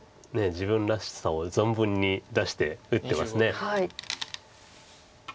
自分らしさを存分に出して打ってます。